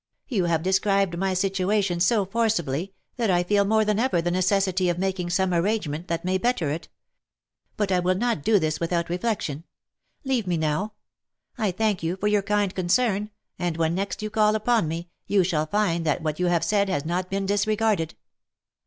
You have described my situa tion so forcibly, that I feel more than ever the necessity of making 88 THE LIFE AND ADVENTURES some arrangement that may better it. But I will not do this with out reflection. Leave me, now. I thank you for your kind con cern, and when next you call upon me, you shall find that what you have said has not been disregarded."